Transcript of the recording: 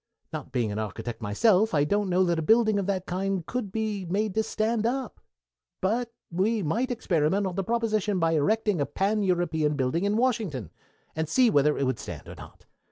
Not being an architect myself I don't know that a building of that kind could be made to stand up, but we might experiment on the proposition by erecting a Pan European building in Washington, and see whether it would stand or not.